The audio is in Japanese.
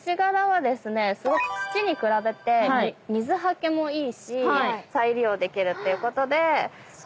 すごく土に比べて水はけもいいし再利用できるっていうことでこの素材を選んでます。